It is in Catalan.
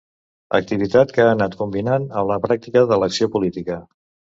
Activitat que ha anat combinant amb la pràctica de l'acció política.